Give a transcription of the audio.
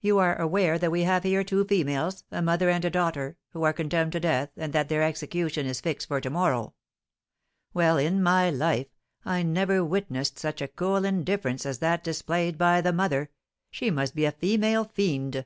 "You are aware that we have here two females, a mother and a daughter, who are condemned to death, and that their execution is fixed for to morrow. Well, in my life, I never witnessed such a cool indifference as that displayed by the mother; she must be a female fiend!"